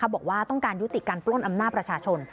บอกว่าต้องการยุติการปล้นอำนาจประชาชน